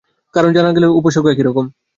কারণ জানা না গেলেও উপসর্গ একই রকম।